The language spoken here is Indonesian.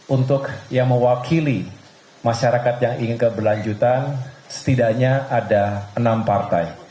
untuk yang mewakili masyarakat yang ingin keberlanjutan setidaknya ada enam partai